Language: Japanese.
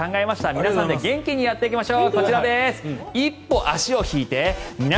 皆さんで元気にやっていきましょう。